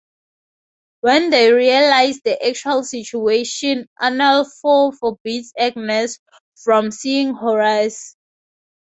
When they realize the actual situation, Arnolphe forbids Agnes from seeing Horace.